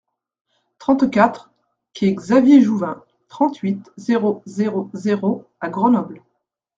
trente-quatre quai Xavier Jouvin, trente-huit, zéro zéro zéro à Grenoble